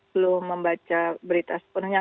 belum membaca berita sepenuhnya